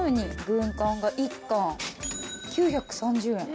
軍艦が一貫９３０円。